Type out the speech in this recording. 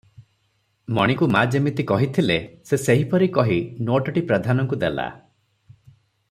ମଣିକୁ ମା' ଯେମିତି କହିଥିଲେ ସେ ସେହିପରି କହି ନୋଟଟି ପ୍ରାଧାନଙ୍କୁ ଦେଲା ।